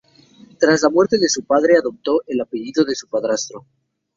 Tras la muerte de su padre, adoptó el apellido de su padrastro.